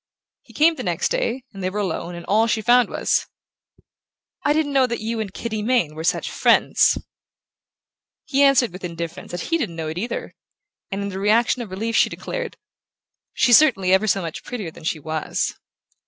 He came the next day, and they were alone, and all she found was: "I didn't know that you and Kitty Mayne were such friends." He answered with indifference that he didn't know it either, and in the reaction of relief she declared: "She's certainly ever so much prettier than she was..."